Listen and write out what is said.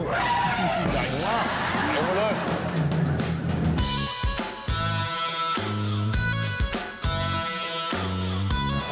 แคปหมูใหญ่มากเอามาเลย